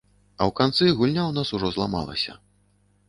А ў канцы гульня ў нас ужо зламалася.